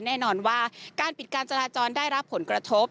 แน่นอนว่าการปิดการจราจรได้รับผลกระทบ